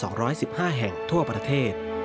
โปรดติดตามตอนต่อไป